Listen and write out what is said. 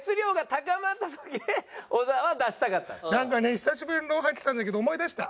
久しぶりに『ロンハー』来たんだけど思い出した。